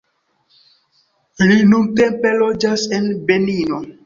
Li nuntempe loĝas en Benino.